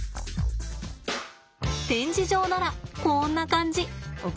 展示場ならこんな感じ。